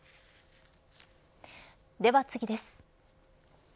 では次です。